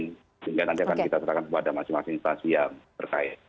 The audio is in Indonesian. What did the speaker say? sehingga nanti akan kita serahkan kepada masing masing instansi yang terkait